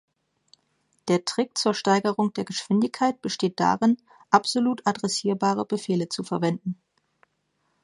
Der Trick zur Steigerung der Geschwindigkeit besteht darin, absolut adressierbare Befehle zu verwenden.